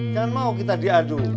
jangan mau kita diadu